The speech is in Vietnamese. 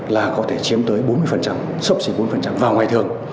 là có thể chiếm tới bốn mươi sốc chỉ bốn mươi vào ngày thường